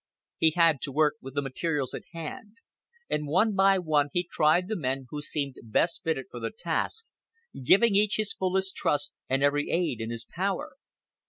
He had to work with the materials at hand, and one by one he tried the men who seemed best fitted for the task, giving each his fullest trust and every aid in his power.